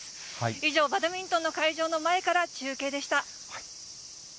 以上、バドミントンの会場の前から中継でした。